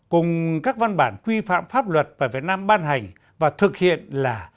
cùng các văn bản quy phạm pháp luật mà việt nam ban hành và thực hiện là